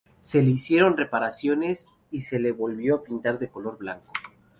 Se le hicieron reparaciones y se le volvió a pintar de color blanco.